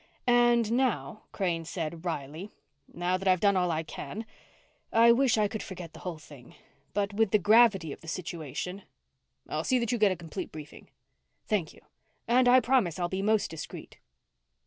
"And now," Crane said wryly, "now that I've done all I can, I wish I could forget the whole thing. But with the gravity of the situation " "I'll see that you get a complete briefing." "Thank you. And I promise I'll be most discreet."